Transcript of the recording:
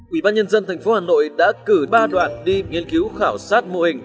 ubnd tp hà nội đã cử ba đoạn đi nghiên cứu khảo sát mô hình